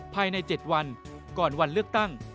ภายใน๗วันก่อนวันเลือกตั้ง